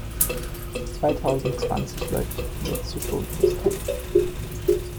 Zweitausendzwanzig läuft die letzte Schonfrist ab.